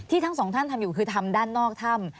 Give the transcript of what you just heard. ทั้งสองท่านทำอยู่คือทำด้านนอกถ้ำ